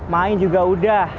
main juga sudah